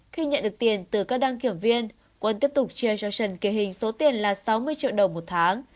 khi nhận được tiền từ các đăng kiểm viên quân tiếp tục chia cho trần kỳ hình số tiền là sáu mươi triệu đồng một tháng